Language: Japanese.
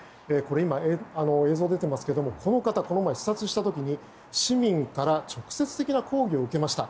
今、映像が出ていますがこの方、この前視察した時、市民から直接的な抗議を受けました。